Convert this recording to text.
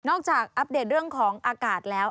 จากอัปเดตเรื่องของอากาศแล้ว